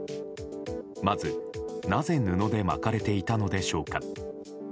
まず、なぜ布で巻かれていたのでしょうか。